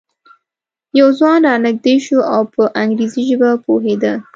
یو ځوان را نږدې شو او په انګریزي ژبه پوهېده.